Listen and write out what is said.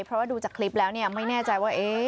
เพราะว่าดูจากคลิปแล้วไม่แน่ใจว่า